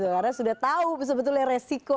karena sudah tahu sebetulnya resiko